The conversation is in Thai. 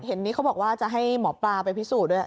เห็นนี้เขาบอกว่าจะให้หมอปลาไปพิสูจน์ด้วย